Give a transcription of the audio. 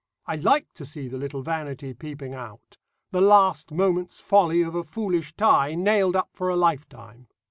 I like to see the little vanity peeping out the last moment's folly of a foolish tie, nailed up for a lifetime.